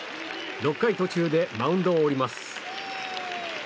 ６回途中でマウンドを降ります。